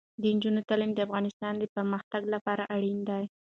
د نجونو تعلیم د افغانستان پرمختګ لپاره اړین دی.